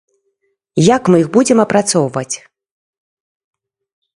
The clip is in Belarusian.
Як мы іх будзем апрацоўваць?